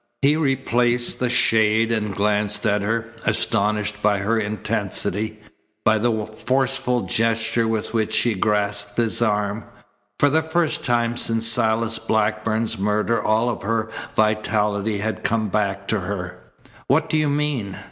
He replaced the shade and glanced at her, astonished by her intensity, by the forceful gesture with which she grasped his arm. For the first time since Silas Blackburn's murder all of her vitality had come back to her. "What do you mean?"